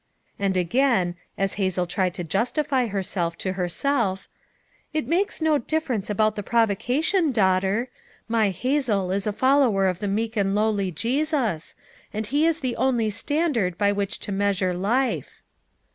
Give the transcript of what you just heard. And again, as Hazel tried to justify herself to herself, "It makes no difference about the provoca tion, daughter. My Hazel is a follower of the meek and lowly Jesus, and he is the only standard by which to measure life."